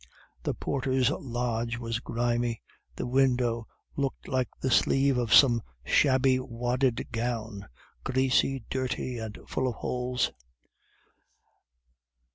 The porter's lodge was grimy, the window looked like the sleeve of some shabby wadded gown greasy, dirty, and full of holes.